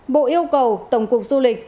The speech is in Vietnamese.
bộ yêu cầu tổng cục du lịch